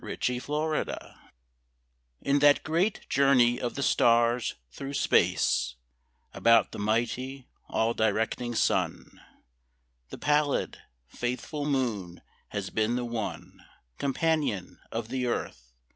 A SOLAR ECLIPSE In that great journey of the stars through space About the mighty, all directing Sun, The pallid, faithful Moon has been the one Companion of the Earth.